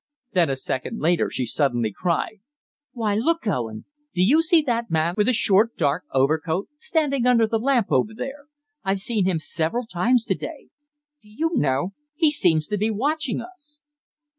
Then, a second later, she suddenly cried "Why, look, Owen! Do you see that man with the short dark overcoat standing under the lamp over there? I've seen him several times to day. Do you know, he seems to be watching us!"